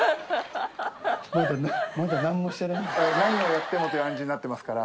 何をやってもという感じになってますから。